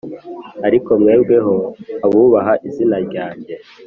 Ariko mwebweho abubaha izina ryanjye